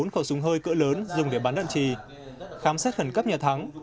thắng đã lắp ráp súng hơi cỡ lớn dùng để bán đạn trì khám xét khẩn cấp nhà thắng